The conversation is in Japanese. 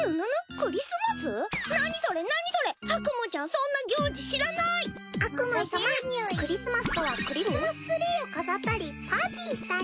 クリスマスとはクリスマスツリーを飾ったりパーティーしたり。